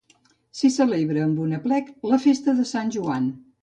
S'hi celebra, amb un aplec, la festa de Sant Joan.